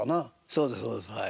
そうですそうですはい。